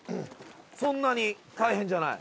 そんなに大変じゃない。